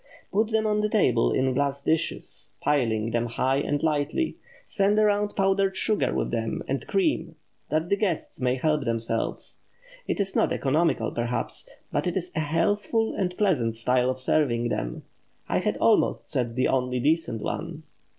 Put them on the table in glass dishes, piling them high and lightly, send around powdered sugar with them and cream, that the guests may help themselves. It is not economical perhaps, but it is a healthful and pleasant style of serving them—I had almost said the only decent one.